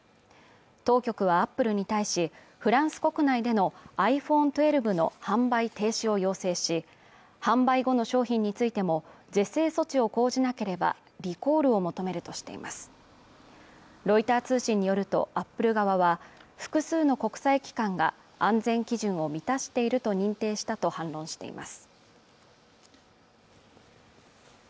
当局はアップルに対しフランス国内でのｉＰｈｏｎｅ１２の販売停止を要請し販売後の商品についても是正措置を講じなければリコールを求めるとしていますロイター通信によるとアップル側は複数の国際機関が安全基準を満たしていると認定したと反論しています